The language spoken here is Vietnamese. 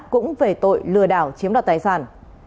cũng về tội lừa đảo chiếm đoạt tài sản